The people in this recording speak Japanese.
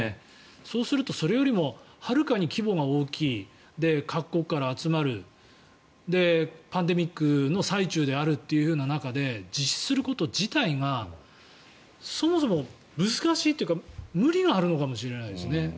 そうするとそれよりもはるかに規模が大きい各国から集まるパンデミックの最中であるというような中で実施すること自体がそもそも難しいというか無理があるのかもしれないですね。